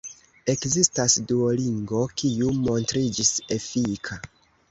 Ekzistas Duolingo, kiu montriĝis efika.